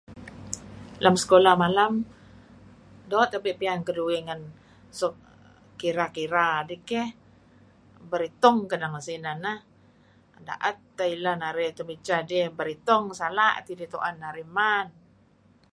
Lem sekulah malem , doo' tebe' pian keduih ngen suk kira-kira dih keyh. Beritung kedeh ngen sineh neh. Da'et teh ileh narih temicheh dih. Beritung... sala' tidih tu'en narih man.